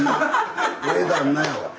ええ旦那やわ。